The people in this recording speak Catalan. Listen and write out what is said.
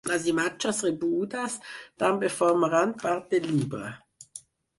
Les imatges rebudes també formaran part del llibre.